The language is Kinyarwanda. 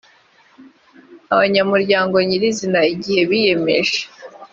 abanyamuryango nyirizina igihe biyemeje